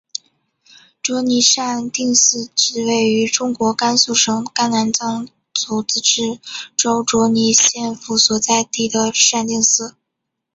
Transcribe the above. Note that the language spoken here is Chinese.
卓尼禅定寺指位于中国甘肃省甘南藏族自治州卓尼县府所在地的禅定寺。